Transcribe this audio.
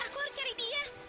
aku harus cari dia